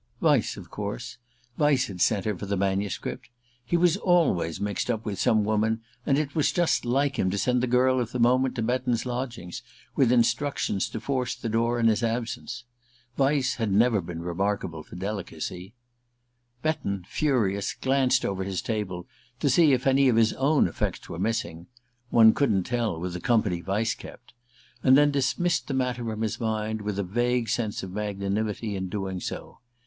Vyse, of course Vyse had sent her for his manuscript! He was always mixed up with some woman, and it was just like him to send the girl of the moment to Betton's lodgings, with instructions to force the door in his absence. Vyse had never been remarkable for delicacy. Betton, furious, glanced over his table to see if any of his own effects were missing one couldn't tell, with the company Vyse kept! and then dismissed the matter from his mind, with a vague sense of magnanimity in doing so.